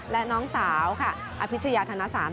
และน้องสาวอภิชยาธนาศาสตร์